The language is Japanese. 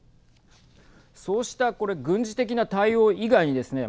そうしたこれ軍事的な対応以外にですね